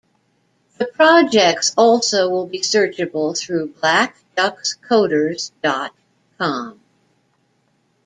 The projects also will be searchable through Black Duck's Koders dot com.